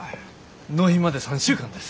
納品まで３週間です。